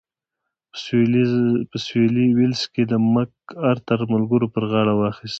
په سوېلي ویلز کې د مک ارتر ملګرو پر غاړه واخیست.